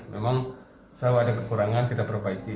memang selalu ada kekurangan kita perbaiki